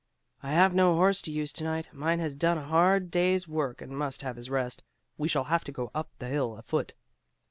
"I have no horse to use to night; mine has done a hard day's work and must have his rest. We shall have to go up the hill afoot."